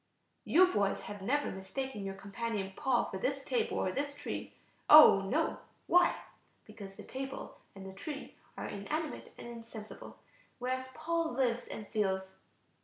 ] "You boys have never mistaken your companion Paul for this table or this tree? Oh, no! Why? Because the table and the tree are inanimate and insensible, whereas Paul lives and feels.